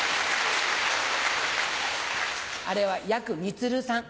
あれはやくみつるさん。